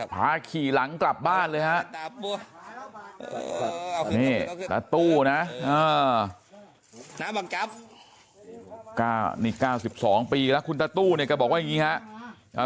พาขี่หลังกลับบ้านเลยฮะนี่ตาตู้นะนี่๙๒ปีแล้วคุณตาตู้เนี่ยก็บอกว่าอย่างนี้ฮะ